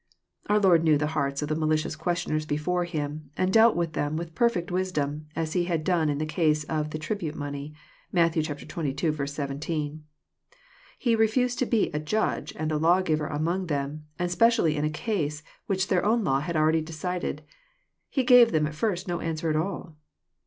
Our Lord knew the hearts of the malicious questioners before Him, and dealt with them with perfect wisdom, as [ He had done in the case of the " tribute money." (Matt, xxii. 17.) He refused to be a "judge" and lawgiver among them, and specially in a case which their own law had already decided. He gave them at first no answer at all.